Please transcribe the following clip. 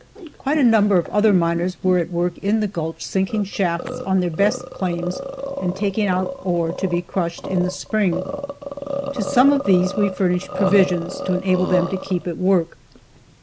Quite a number of other miners were at work in the gulch sinking shafts on their best claims and taking out ore to be crushed in the spring. To some of these we furnished provisions to enable them to keep at work.